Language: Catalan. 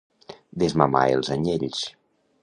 Desmamar els anyells.